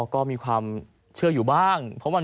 อ๋อก็มีความเชื่ออยู่บ้างเพราะมัน